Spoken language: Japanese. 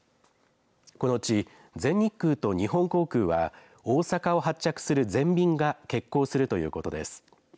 このうち全日空と日本航空は大阪を発着する全便が欠航するということです。